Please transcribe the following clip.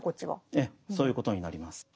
ええそういうことになります。